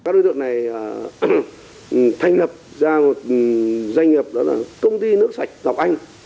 mình thành lập ra một doanh nghiệp đó là công ty nước sạch lọc anh